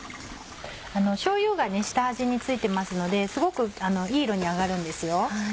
しょうゆが下味に付いてますのですごくいい色に揚がるんですよ。